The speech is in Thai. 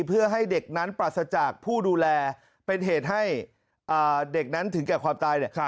เพื่อให้เด็กนั้นปราศจากผู้ดูแลเป็นเหตุให้เด็กนั้นถึงแก่ความตาย